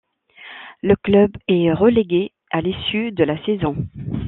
Le club est relégué à l'issue de la saison.